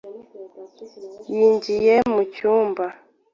yinjiye mu cyumba.